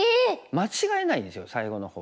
間違えないんですよ最後のほう。